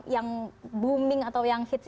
yang booming atau yang hits